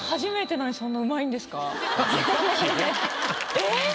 えっ⁉